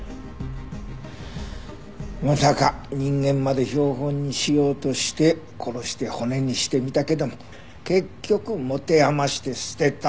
まさか人間まで標本にしようとして殺して骨にしてみたけども結局持て余して捨てた。